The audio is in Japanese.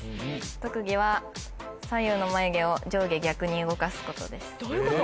特技は左右の眉毛を上下逆に動かすことですどういうこと？